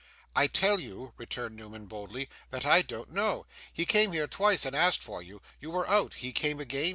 'I tell you,' returned Newman boldly, 'that I don't know. He came here twice, and asked for you. You were out. He came again.